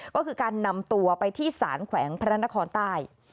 ก็คือการนำตัวไปที่สารแขวงพระนครใต้